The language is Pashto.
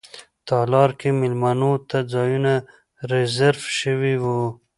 تالار کې میلمنو ته ځایونه ریزرف شوي وو.